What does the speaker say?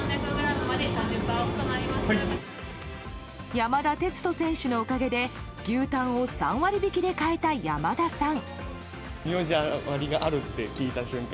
山田哲人選手のおかげで牛タンを３割引きで買えた山田さん。